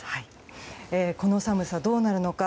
この寒さ、どうなるのか。